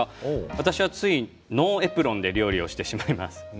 私はついノーエプロンでやってしまいます。